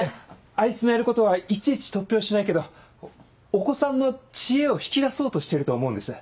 あいつのやることはいちいち突拍子ないけどお子さんの知恵を引き出そうとしてると思うんです。